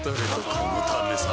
このためさ